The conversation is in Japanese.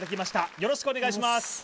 よろしくお願いします